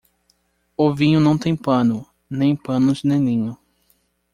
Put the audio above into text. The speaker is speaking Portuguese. O vinho não tem pano, nem panos nem linho.